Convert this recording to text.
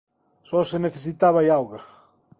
Só se necesitaba auga.